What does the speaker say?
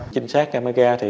chính xác camera